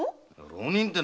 浪人って？